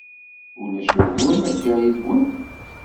Ulac ugur ma ddiɣ yid-wen?